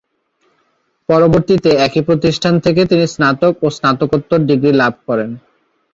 পরবর্তীতে একই প্রতিষ্ঠান থেকে তিনি স্নাতক ও স্নাতকোত্তর ডিগ্রি লাভ করেন।